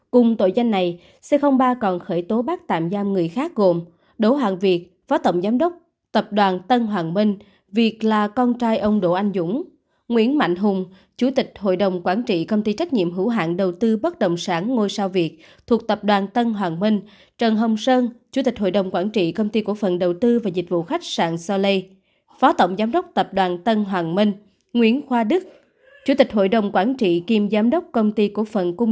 cùng tội danh này c ba còn khởi tố bắt tạm giam người khác gồm đỗ hoàng việt phó tổng giám đốc tập đoàn tân hoàng minh việt là con trai ông đỗ anh dũng nguyễn mạnh hùng chủ tịch hội đồng quản trị công ty trách nhiệm hữu hoạng đầu tư bất đồng sản ngôi sao việt thuộc tập đoàn tân hoàng minh trần hồng sơn chủ tịch hội đồng quản trị công ty cổ phận đầu tư và dịch vụ khách sạn soley phó tổng giám đốc tập đoàn tân hoàng minh nguyễn khoa đức chủ tịch hội đồng quản trị kim giám đốc công